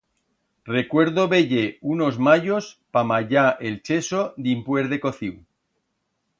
Recuerdo veyer unos mallos pa mallar el cheso dimpués de cociu.